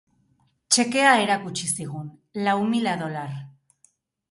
Txekea erakutsi zigun... lau mila dolar.